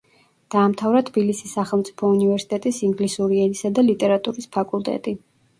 დაამთავრა თბილისის სახელმწიფო უნივერსიტეტის ინგლისური ენისა და ლიტერატურის ფაკულტეტი.